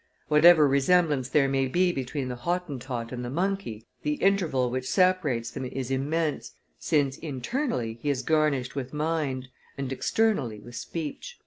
... Whatever resemblance there may be between the Hottentot and the monkey, the interval which separates them is immense, since internally he is garnished with mind and externally with speech."